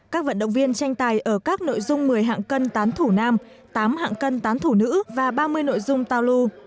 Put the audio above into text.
các vận động viên tranh tài ở các nội dung một mươi hạng cân tán thủ nam tám hạng cân tám thủ nữ và ba mươi nội dung tao lu